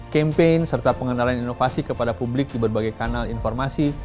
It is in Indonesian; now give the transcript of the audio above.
campaign serta pengenalan inovasi kepada publik di berbagai kanal informasi